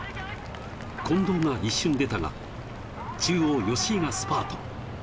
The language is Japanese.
近藤が一瞬出たが、中央・吉居がスパート。